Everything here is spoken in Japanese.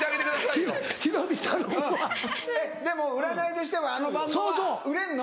でも占いとしてはあのバンドは売れんの？